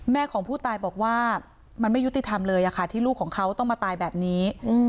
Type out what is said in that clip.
ของผู้ตายบอกว่ามันไม่ยุติธรรมเลยค่ะที่ลูกของเขาต้องมาตายแบบนี้